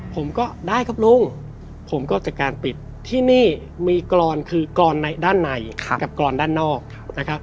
ผมก็ได้ครับลุงผมก็จัดการปิดที่นี่มีกรอนคือกรอนด้านในกับกรอนด้านนอกนะครับ